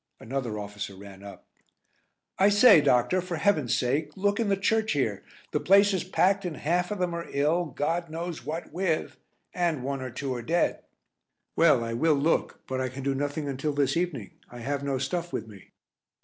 Another officer ran up, "I say, Doctor, for Heaven's sake look in the church here. The place is packed and half of them are ill, God knows what with, and one or two are dead." "Well, I will look, but I can do nothing until this evening. I have no stuff with me."